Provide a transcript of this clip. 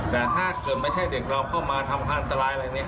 แต่ถ้าเกิดไม่ใช่เด็กเราเข้ามาทำอันตรายอะไรเนี่ย